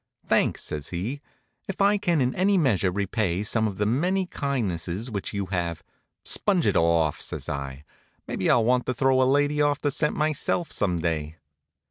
"Thanks," says he. "If I can in any measure repay some of the many kindnesses which you have " "Sponge it off," says I. "Maybe I'll want to throw a lady off the scent myself, some day."